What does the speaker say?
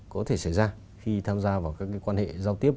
có thể xảy ra khi tham gia vào các quan hệ giao tiếp